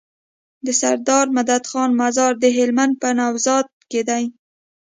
دسردار مدد خان مزار د هلمند په نوزاد کی دی